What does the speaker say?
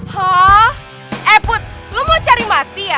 hah eh put lo mau cari mati ya